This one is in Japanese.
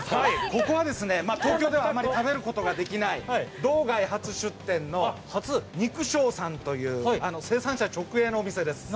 ここはですね、東京ではあまり食べることができない、道外初出店の肉将さんという生産者直営のお店です。